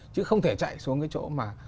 chứ không thể chạy xuống cái chỗ